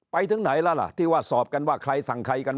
ไปถึงไหนแล้วล่ะที่ว่าสอบกันว่าใครสั่งใครกัน